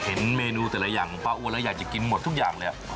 เห็นเมนูแต่ละอย่างของป้าอ้วนแล้วอยากจะกินหมดทุกอย่างเลย